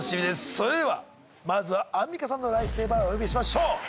それではまずはアンミカさんのライフセイバーをお呼びしましょう。